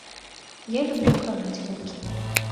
Я люблю кранаць гукі.